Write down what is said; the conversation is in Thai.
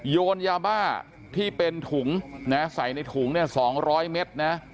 โยนยาบ้าที่เป็นถุงนะฮะใส่ในถุงเนี่ยสองร้อยเม็ดนะฮะ